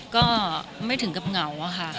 ก็ไม่ถึงกับเหงา